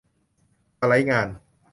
สไลด์งาน